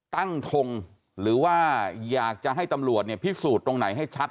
ทงหรือว่าอยากจะให้ตำรวจเนี่ยพิสูจน์ตรงไหนให้ชัด